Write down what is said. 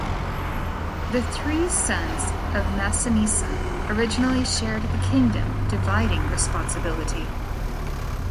The three sons of Massinissa originally shared the kingdom, dividing responsibility.